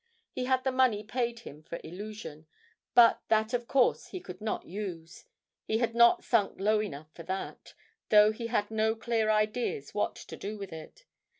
He had the money paid him for 'Illusion,' but that of course he could not use; he had not sunk low enough for that, though he had no clear ideas what to do with it.